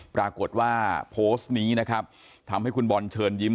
ปรากฏว่าโพสต์นี้นะครับทำให้คุณบอลเชิญยิ้ม